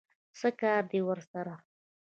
څه کار دی ورسره؟